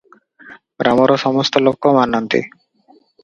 ଗ୍ରାମର ସମସ୍ତ ଲୋକ ମାନନ୍ତି ।